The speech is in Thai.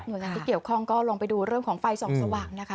โดยงานที่เกี่ยวข้องก็ลงไปดูเรื่องของไฟส่องสว่างนะคะ